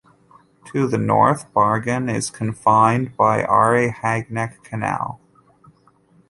To the north, Bargen is confined by the Aare-Hagneck canal.